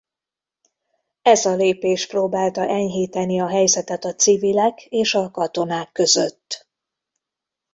Ez a lépés próbálta enyhíteni a helyzetet a civilek és a katonák között.